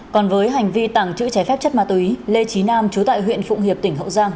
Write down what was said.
còn với hành vi tàng trữ trái phép chất ma túy lê trí nam chú tại huyện phụng hiệp tỉnh hậu giang